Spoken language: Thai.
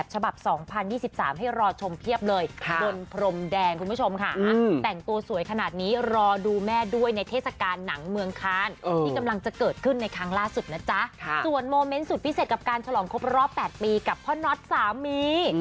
จะเกิดขึ้นในครั้งล่าสุดนะจ๊ะส่วนโมเม้นต์สุดพิเศษกับการชลองคบรอบ๘ปีกับพ่อน็อตสามี